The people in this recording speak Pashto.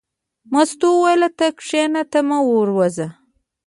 مستو وویل: ته کېنه ته مه ورځه.